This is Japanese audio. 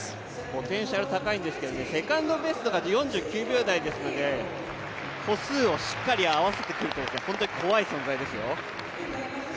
ポテンシャル高いんですけどセカンドベストが４９秒台ですので歩数をしっかり合わせてくるということで、本当に怖い存在ですよ。